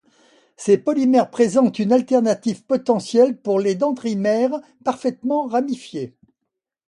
Ces polymères présentent une alternative potentielle pour les dendrimères parfaitement ramifiés.